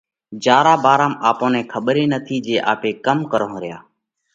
جيا را ڀارام آپون نئہ کٻر ئي نٿِي جي آپي ڪم ڪرونه ريا؟